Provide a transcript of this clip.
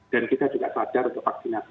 dan kita juga sadar untuk vaksinasi